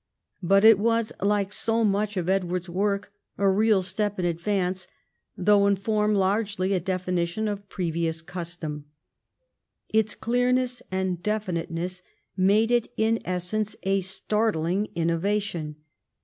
But it was, like so much of Edward's work, a real step in advance, though in form largely a definition of previous custom. Its clearness and definiteness make it in essence a startling innovation.